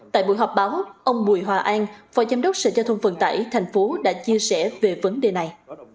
tại buổi họp báo ông bùi hòa an phó giám đốc sở giao thông vận tải thành phố đã chia sẻ về vấn đề này